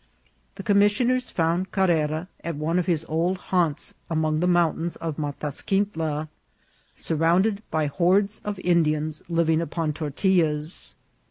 The commissioners found Carrera at one of his old haunts among the mountains of Matasquintla, surrounded by hordes of Indians liv ing upon tortillas.